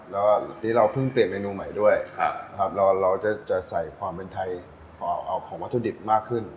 แล้วนี่เราเพิ่งเปลี่ยนเมนูใหม่ด้วยเราจะใส่ความเป็นไทยออกของวัตถุดิบมากขึ้น